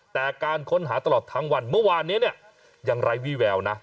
แต่การค้นหาตลอดทั้งวันเมื่อวานนี้เนี่ยยังไร้วี่แววนะ